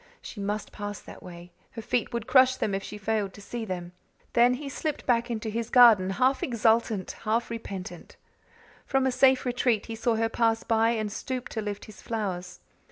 She must pass that way; her feet would crush them if she failed to see them. Then he slipped back into his garden, half exultant, half repentant. From a safe retreat he saw her pass by and stoop to lift his flowers.